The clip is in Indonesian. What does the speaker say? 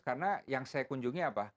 karena yang saya kunjungi apa